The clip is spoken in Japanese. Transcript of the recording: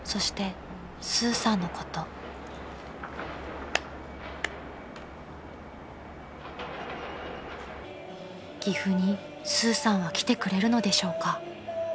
［岐阜にスーさんは来てくれるのでしょうか？］